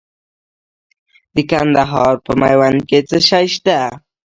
د کندهار په میوند کې څه شی شته؟